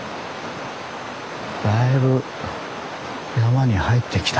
だいぶ山に入ってきた。